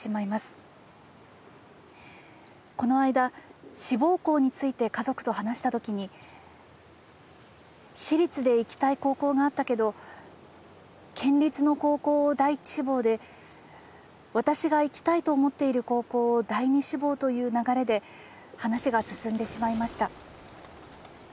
この間志望校について家族と話したときに私立で行きたい高校があったけど県立の高校を第一志望で私が行きたいと思っている高校を第二志望という流れで話が進んでしまいました。